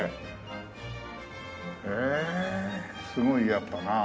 へえすごいやっぱな。